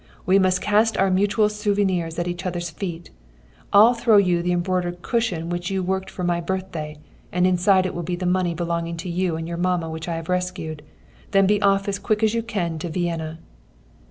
We must cast our mutual souvenirs at each other's feet. I'll throw at you the embroidered cushion which you worked for my birthday, and inside it will be the money belonging to you and your mamma which I have rescued. Then be off as quick as you can to Vienna.'